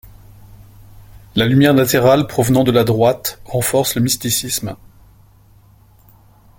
La lumière latérale provenant de la droite renforce le mysticisme.